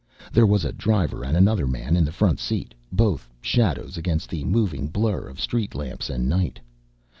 There was a driver and another man in the front seat, both shadows against the moving blur of street lamps and night.